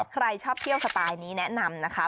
ใครชอบเที่ยวสไตล์นี้แนะนำนะคะ